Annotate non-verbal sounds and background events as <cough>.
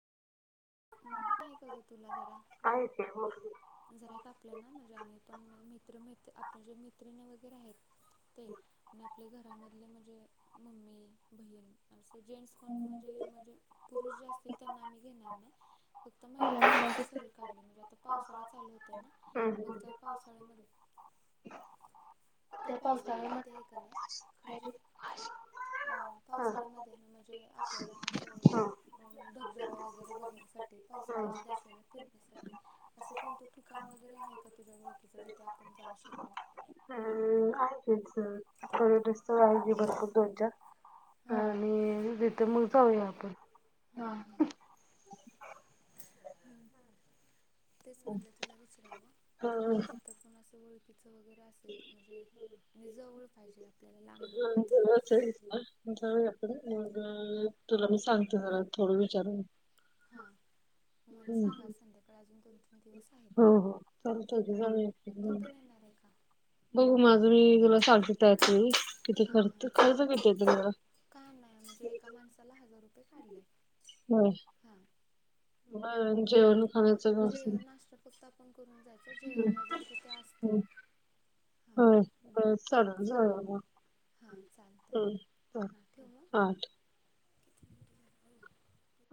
हम्म हे का ग तुला जरा आहे ते मुर्गी. जरा का आपल्या ना म्हणजे आम्ही पण मित्र म आपल्या जे मैित्रिणी वगैरे आहेत. ते आणि आपले घरामधले म्हणजे मम्मी बहीण असमसं जेंटस कोण म्हणजे म्हणजे पुरुष जे असतील त्यांना मी घेणार नाही. फक्त महिला महिलांची सहल काढली म्हणजे आता पावसाळा चालू होतय ना? हम्म. मग त्या पावसाळ्यामध्ये त्या पावसाळ्यामध्ये आहे का ना म्हणजे खायला अ पावसाळ्यामध्ये म्हणजे आपल्याला अस धबधबा वगैरे बघण्यासाठी पावसाळ्यामध्ये आपल्याला फिरण्यासाठी असं कोणतं ठिकाण वगैरे आहे का तुझ्या ओळखीचं जिथे आपण जाऊ शकतो? हम् रस्त राे भरपूर तनच्या हां <unintelligible> आणि तिथे मग जाऊया आपण हम्म तेच म्हणलं तुला विचारवं हा म्हणजे जिथ कोण असं ओळखीच वगैरे असेल म्हणजे आणि जवळ पाहिजे आपल्याला लांब नकोत. जवळ असेल मग तुला मी सांगते जरा थोडं विचारून. हा तुम्हाला सांगा हम्म. संध्याकाळी अजून दोन तीन दिवस. आहेत हो हो. चालतंय की हा जाऊया तू की. पण येणार आहे का? बघू माझं मी तुला काय सांगते सांगता त्यावेळी येत किती खर्च नाही खर्च किती येतो मला काय नाही म्हणजे एका माणसाला हजार रुपये काढले. होय हाे बर जेवण खाण्याचं व्यवस्थित जेवण नाश्ता फक्त आपण करून जायचं. जेवण वगैरे तिथं असते. हां होय होय चालून चालेल जाऊया. हां चालत आहे हम्म हां चालेल ठेवू मग? आठ